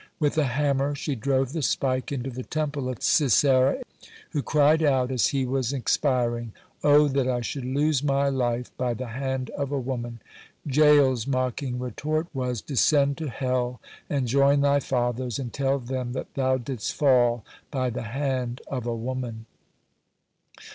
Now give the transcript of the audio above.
With a hammer she drove the spike into the temple of Sisera, who cried out as he was expiring: "O that I should lose my life by the hand of a woman!" Jael's mocking retort was: "Descend to hell and join thy fathers, and tell them that thou didst fall by the hand of a woman."